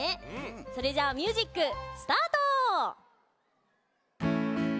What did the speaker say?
それじゃあミュージックスタート！